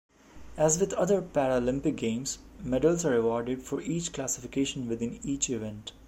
As with other Paralympic Games, medals are awarded for each classification within each event.